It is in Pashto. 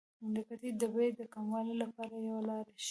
د ګټې د بیې د کموالي لپاره یوه لار شته